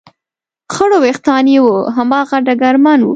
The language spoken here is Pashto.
خړ وېښتان یې و، هماغه ډګرمن و.